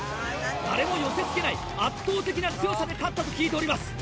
誰も寄せ付けない圧倒的な強さで勝ったと聞いております。